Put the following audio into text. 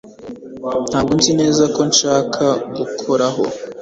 Ntabwo nzi neza ko nshaka gukoraho